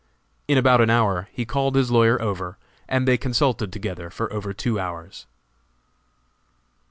In about an hour he called his lawyer over, and they consulted together for over two hours.